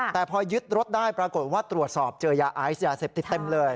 แต่พอยึดรถได้ปรากฏว่าตรวจสอบเจอยาไอซ์ยาเสพติดเต็มเลย